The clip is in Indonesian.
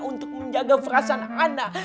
untuk menjaga perasaan ana